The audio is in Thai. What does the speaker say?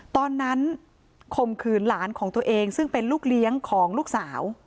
ข่มขืนหลานของตัวเองซึ่งเป็นลูกเลี้ยงของลูกสาว